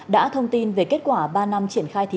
đã thông tin về kết quả ban tuyên giáo thành ủy hà nội tổ chức